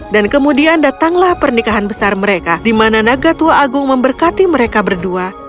dan kemudian datanglah pernikahan besar mereka di mana naga tua agung memberkati mereka berdua